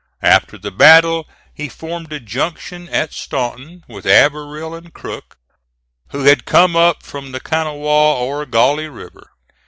After the battle he formed a junction at Staunton with Averell and Crook, who had come up from the Kanawha, or Gauley River.